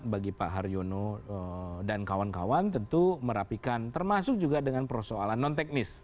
bagi pak haryono dan kawan kawan tentu merapikan termasuk juga dengan persoalan non teknis